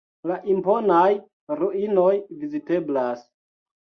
La imponaj ruinoj viziteblas.